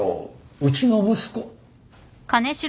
うちの息子。